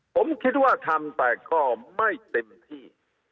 ผมคิดว่าทำแต่ก็ไม่เต็มที่